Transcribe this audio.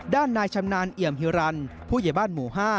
ด้านนายชำนาญเอี่ยมฮิรันผู้ใหญ่บ้านหมู่๕